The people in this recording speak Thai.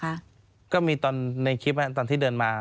ก็ต้องไว้ชัยมีตอนในคลิปตอนที่เดินมา